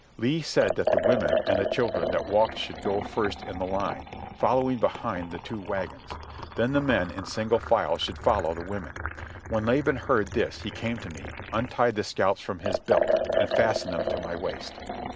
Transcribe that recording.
Lee said that the women and the children that walked should go first in the line, following behind the two wagons. Then the men, in single file, should follow the women. When Laban heard this he came to me, untied the scalps from his belt, and fastened them to my waist.